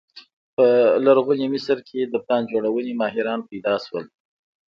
په لرغوني مصر کې د پلان جوړونې ماهران پیدا شول.